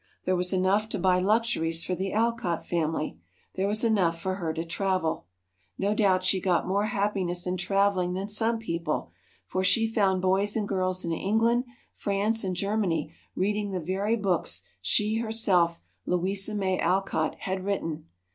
There was enough to buy luxuries for the Alcott family there was enough for her to travel. No doubt she got more happiness in traveling than some people, for she found boys and girls in England, France, and Germany reading the very books she herself, Louisa May Alcott, had written.